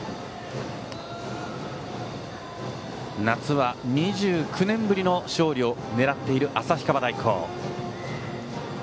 夏２９年ぶりの勝利を狙っている旭川大高。